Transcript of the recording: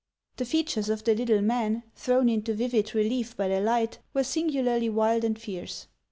The features of the little man, thrown into vivid relief by the light, were singularly wild and fierce.